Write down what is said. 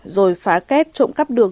rồi phá kết trộm cắt được